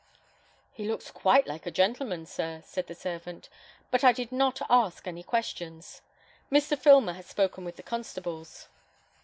"He looks quite like a gentleman, sir," said the servant; "but I did not ask any questions. Mr. Filmer has spoken with the constables."